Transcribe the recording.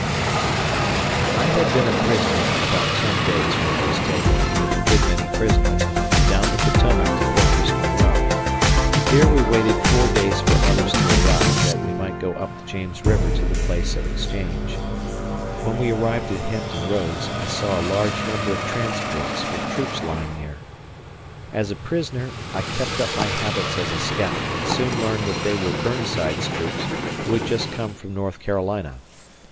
I had been a prisoner about ten days when I was taken, with a good many prisoners, down the Potomac to Fortress Monroe. Here we waited four days for others to arrive, that we might go up the James River to the place of exchange. When we arrived at Hampton Roads, I saw a large number of transports with troops lying near. As a prisoner I kept up my habits as a scout and soon learned that they were Burnside's troops who had just come from North Carolina.